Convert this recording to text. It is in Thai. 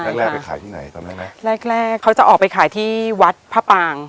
แรกแรกไปขายที่ไหนจำได้ไหมแรกแรกเขาจะออกไปขายที่วัดพระปาง